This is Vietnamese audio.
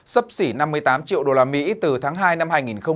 sấp xỉ năm mươi tám triệu đô la mỹ từ tháng hai năm hai nghìn một mươi chín